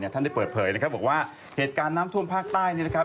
ท่านได้เปิดเผยนะครับบอกว่าเหตุการณ์น้ำท่วมภาคใต้นี่นะครับ